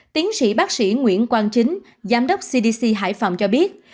tiến sĩ bác sĩ nguyễn quang chính giám đốc cdc hải phòng cho biết